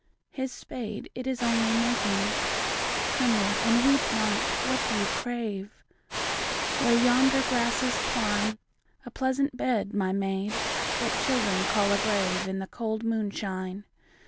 His spade, it Is only making, — (Tremble and weep not I What do you crave ?) Where yonder grasses twine, A pleasant bed, my maid, that Children call a grave, In the cold moonshine.